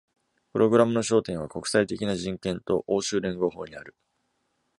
プログラムの焦点は、国際的な人権と欧州連合法にある。